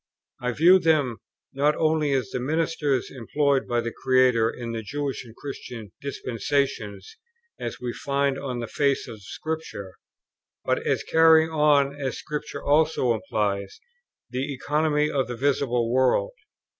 I viewed them, not only as the ministers employed by the Creator in the Jewish and Christian dispensations, as we find on the face of Scripture, but as carrying on, as Scripture also implies, the Economy of the Visible World.